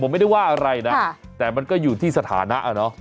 ผมไม่ได้ว่าอะไรนะแต่มันก็อยู่ที่สถานะเนาะ